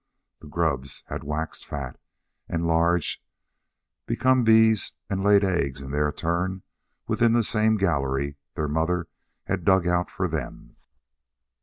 The grubs had waxed fat and large, become bees, and laid eggs in their turn within the same gallery their mother had dug out for them.